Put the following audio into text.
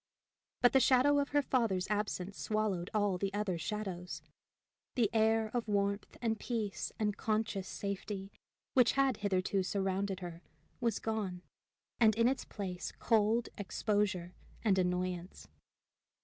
But the shadow of her father's absence swallowed all the other shadows. The air of warmth and peace and conscious safety which had hitherto surrounded her was gone, and in its place cold, exposure, and annoyance.